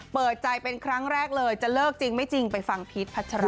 เปิดใจเป็นครั้งแรกเลยจะเลิกจริงไม่จริงไปฟังพีชพัชรา